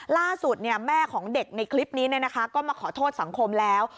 ล่าสุดแม่ของเด็กในคลิปนี้ก็มาขอโทษสังคมแล้ว